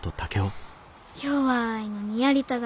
弱いのにやりたがり。